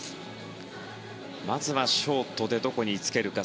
まずはショートでどこにつけるか。